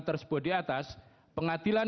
tersebut diatas pengadilan